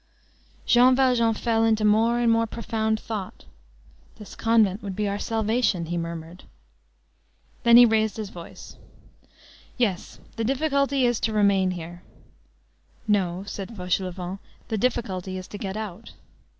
Jean Valjean fell into more and more profound thought.—"This convent would be our salvation," he murmured. Then he raised his voice:— "Yes, the difficulty is to remain here." "No," said Fauchelevent, "the difficulty is to get out."